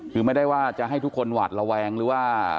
คือไม่ได้ว่าจะให้ทุกคนหวาดระแวงหรือว่า